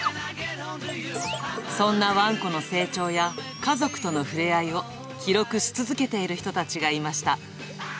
そんなワンコの成長や家族とのふれあいを記録し続けている人たちがいました。